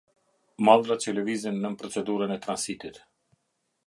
Mallrat që lëvizin nën procedurën e transitit.